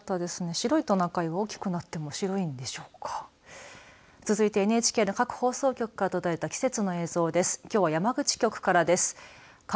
白いトナカイは大きくなっても白いんでしょうか。